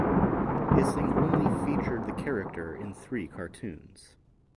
Ising only featured the character in three cartoons.